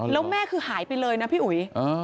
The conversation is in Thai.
แล้วแม่คือหายไปเลยนะพี่อุ๋ย